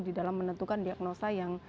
di dalam menentukan diagnosa yang